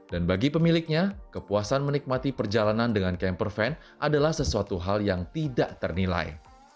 dan bagi pemiliknya kepuasan menikmati perjalanan dengan campervan adalah sesuatu hal yang tidak ternilai